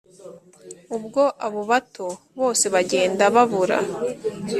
ubwo abo bato bose bagenda babura